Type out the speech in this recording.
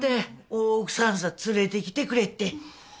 大奥さんさ連れてきてくれって。